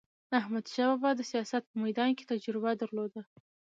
احمدشاه بابا د سیاست په میدان کې تجربه درلوده.